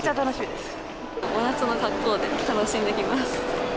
真夏の格好で楽しんできます。